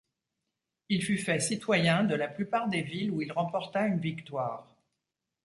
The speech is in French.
Il fut fait citoyen de la plupart des villes où il remporta une victoire.